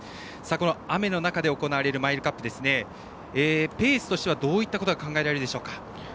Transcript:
この雨の中で行われるマイルカップ、ペースとしてはどういったことが考えられるでしょうか？